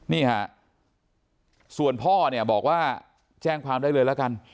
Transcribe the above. นี่ฮะส่วนพ่อบอกว่าแจ้งความได้เลยแล้วกัน